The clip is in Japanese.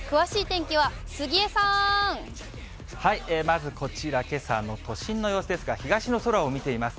まずこちら、けさの都心の様子ですが、東の空を見ています。